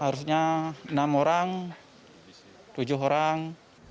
harusnya enam orang tujuh orang